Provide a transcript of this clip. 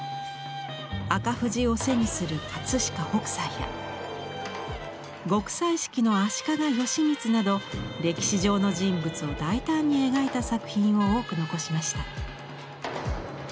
赤富士を背にする飾北斎や極彩色の足利義満など歴史上の人物を大胆に描いた作品を多く残しました。